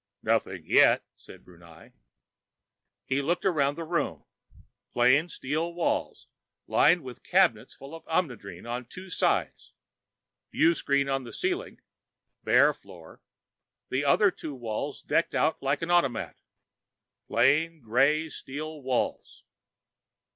"Nothing yet," said Brunei. He looked around the room. Plain steel walls, lined with cabinets full of Omnidrene on two sides, viewscreen on the ceiling, bare floor, the other two walls decked out like an automat. Plain, gray steel walls....